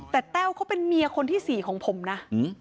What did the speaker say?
แต่แต้วเขาเป็นเมียคนที่๔ของผมนะ